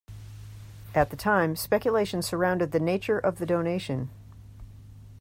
At the time, speculation surrounded the nature of the donation.